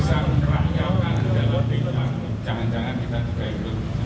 jangan jangan kita juga itu